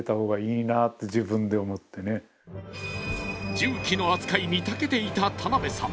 重機の扱いにたけていた田邊さん。